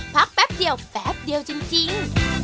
แป๊บเดียวแป๊บเดียวจริง